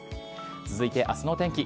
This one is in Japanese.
続いてあすのお天気。